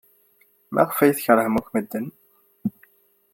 Maɣef ay tkeṛhem akk medden?